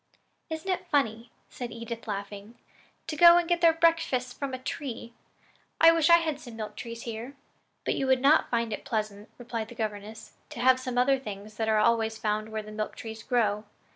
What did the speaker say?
"Isn't it funny," said Edith, laughing, "to go and get their breakfasts from a tree? I wish we had some milk trees here." "But you would not find it pleasant," replied their governess, "to have some other things that are always found where the milk tree grows.